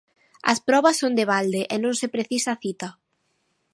As probas son de balde e non se precisa cita.